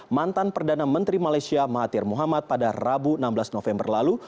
mantan perdana menteri malaysia mahathir muhammad pada rabu enam belas november lalu